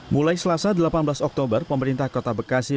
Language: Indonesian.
mulai selasa delapan belas oktober pemerintah kota bekasi